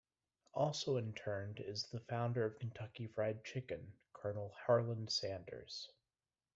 Also interned is the founder of Kentucky Fried Chicken, Colonel Harland Sanders.